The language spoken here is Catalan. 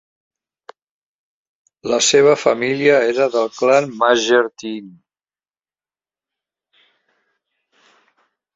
La seva família era del clan Majeerteen.